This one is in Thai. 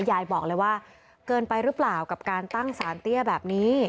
ยายบอกเลยว่าเกินไปหรือเปล่ากับการตั้งสารเตี้ยแบบนี้